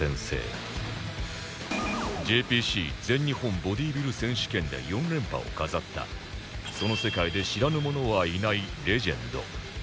ＪＰＣ 全日本ボディビル選手権で４連覇を飾ったその世界で知らぬ者はいないレジェンド